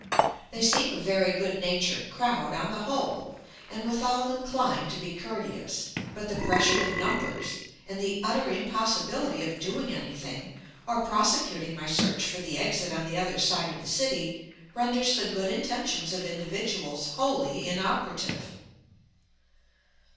They seem a very good natured crowd, on the whole, and withal inclined to be courteous, but the pressure of numbers, and the utter impossibility of doing anything, or prosecuting my search for the exit on the other side of the city, renders the good intentions of individuals wholly inoperative.